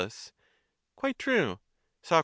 Quite true. Soc.